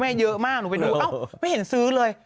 มีมั้ยโอ้โหคุณแม่เยอะมากหนูไปดูเอาไม่เห็นซื้อเลย